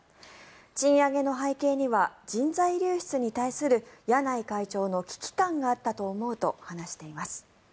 賃上げの背景には人材流出に対する柳井会長の危機感があったと思うと話しています。